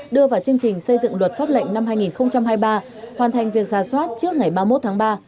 đưa vào chương trình xây dựng luật pháp lệnh năm hai nghìn hai mươi ba hoàn thành việc ra soát trước ngày ba mươi một tháng ba